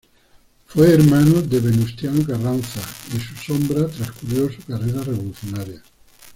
Fue hermano de Venustiano Carranza y a su sombra transcurrió su carrera revolucionaria.